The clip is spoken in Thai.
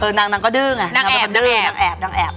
นางก็ดึงค่ะนางแอบ